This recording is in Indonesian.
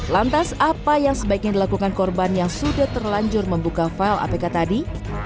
lantas apa yang sebaiknya dilakukan korban yang sudah terlanjur membuka file apk tadi